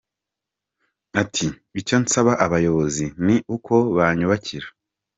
Ati :« Icyo nsaba abayobozi ni uko banyubakira ».